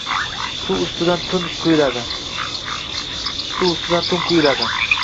Suv ustidan tun quyuladi.